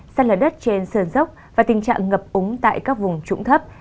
săn lở đất trên sờn dốc và tình trạng ngập úng tại các vùng trũng thấp